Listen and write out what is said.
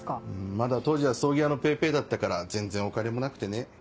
まだ当時は葬儀屋のぺいぺいだったから全然お金もなくてね。